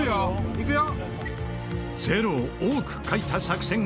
いくよ？